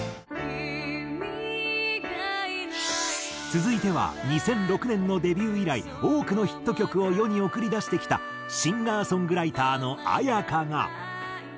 続いては２００６年のデビュー以来多くのヒット曲を世に送り出してきたシンガー・ソングライターの絢香が。